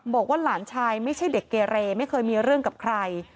บอกว่าหลานชายไม่ใช่เด็กเกเรไม่เคยมีเรื่องกับใคร